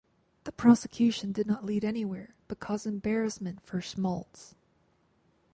The prosecution did not lead anywhere but caused embarrassment for Schmalz.